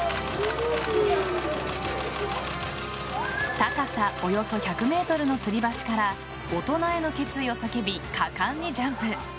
高さおよそ１００ｍのつり橋から大人への決意を叫び果敢にジャンプ。